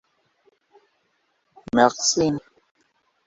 Mel C